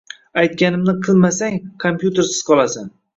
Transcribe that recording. aytganimni qilmasang kompyutersiz qolasan.